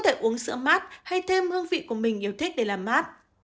để uống sữa mát hay thêm hương vị của mình yêu thích để làm mát